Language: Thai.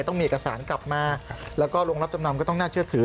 ต้องมีเอกสารกลับมาแล้วก็โรงรับจำนำก็ต้องน่าเชื่อถือ